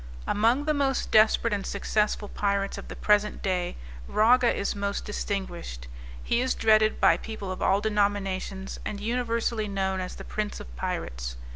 Among the most desperate and successful pirates of the present day, Raga is most distinguished. He is dreaded by people of all denominations, and universally known as the "prince of pirates."